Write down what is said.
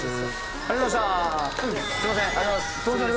ありがとうございます。